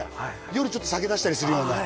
夜ちょっと酒出したりするようなああ